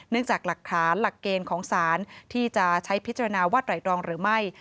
จากหลักฐานหลักเกณฑ์ของสารที่จะใช้พิจารณาว่าไตรรองหรือไม่